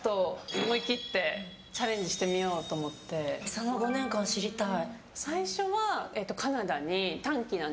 その５年間、知りたい。